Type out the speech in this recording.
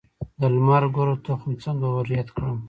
د لمر ګل تخم څنګه وریت کړم؟